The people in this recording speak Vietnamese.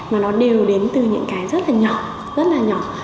mà nó đều đến từ những cái rất là nhỏ rất là nhỏ